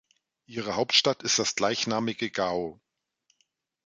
Ihre Hauptstadt ist das gleichnamige Gao.